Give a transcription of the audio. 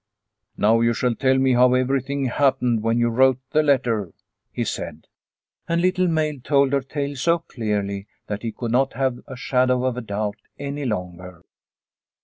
" Now you shall tell me how everything happened when you wrote the letter," he said. And Little Maid told her tale so clearly that he could not have a shadow of doubt any longer.